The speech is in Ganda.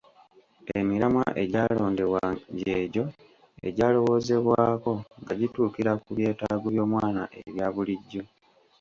Emiramwa egyalondebwa gy’egyo egyalowoozebwako nga gituukira ku byetaago by’omwana ebya bulijjo.